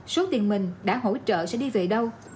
số tiền mình đã hỗ trợ sẽ đi về đâu